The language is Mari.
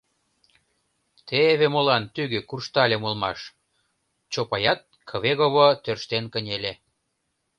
— Теве молан тӱгӧ куржтальым улмаш, — Чопаят кыве-гово тӧрштен кынеле.